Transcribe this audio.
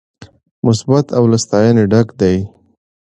مثبت او له ستاينې ډک دي